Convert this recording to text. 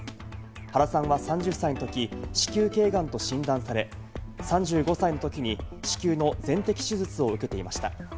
原さんは３０歳のとき、子宮頸がんと診断され、３５歳のときに子宮の全摘手術を受けていました。